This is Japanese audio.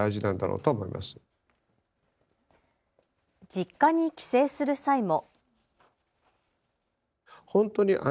実家に帰省する際も。